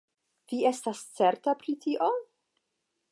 Vi estas certa pri tio?